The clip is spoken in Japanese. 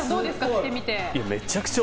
着てみて。